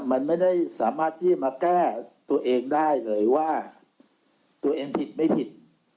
มันไม่ได้สามารถที่จะมาแก้ตัวเองได้เลยว่าตัวเองผิดไม่ผิด